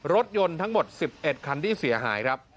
รถยนต์ทั้งหมด๑๑คันที่เสียหายครับ